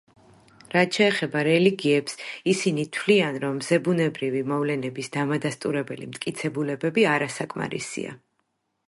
რაც შეეხება რელიგიებს, ისინი თვლიან, რომ ზებუნებრივი მოვლენების დამადასტურებელი მტკიცებულებები არასაკმარისია.